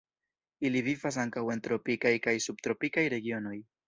Ili vivas ankaŭ en tropikaj kaj subtropikaj regionoj.